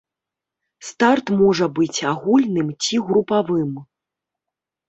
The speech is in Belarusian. Старт можа быць агульным ці групавым.